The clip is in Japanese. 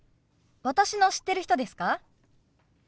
私の知ってる人ですか？